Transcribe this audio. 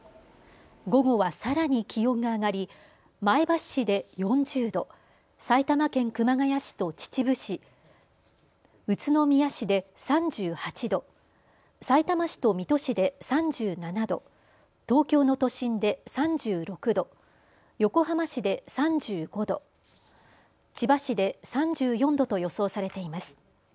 午後はさらに気温が上がり前橋市で４０度、埼玉県熊谷市と秩父市、宇都宮市で３８度、さいたま市と水戸市で３７度、東京の都心で３６度、横浜市で３５度、千葉市で３４度と予想されています。